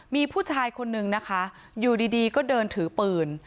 มีผู้ชายคนนึงนะคะอยู่ดีก็เดินถือปืน